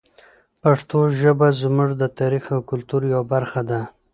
پښتو ژبه زموږ د تاریخ او کلتور یوه برخه ده.